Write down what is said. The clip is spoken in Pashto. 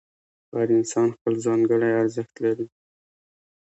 هر انسان خپل ځانګړی ارزښت لري.